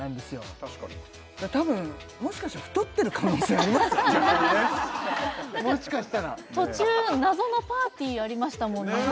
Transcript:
逆にねもしかしたら途中謎のパーティーありましたもんね